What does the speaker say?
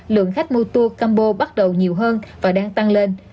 lượng khách mua tour cambo bắt đầu nhiều hơn và đang tăng lên